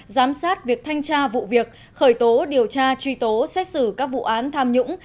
giám sát việc thanh tra vụ việc khởi tố điều tra truy tố xét xử các vụ án tham nhũng